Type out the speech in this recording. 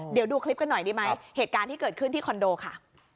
เดี๋ยวดูคลิปกันหน่อยดีไหมเหตุการณ์ที่เกิดขึ้นที่คอนโดค่ะ